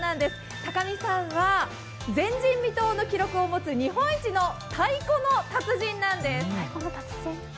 高見さんは前人未到の記録を持つ日本一の太鼓の達人なんです。